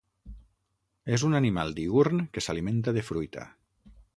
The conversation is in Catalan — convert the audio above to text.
És un animal diürn que s'alimenta de fruita.